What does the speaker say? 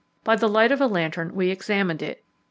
By the light of a lantern we examined it.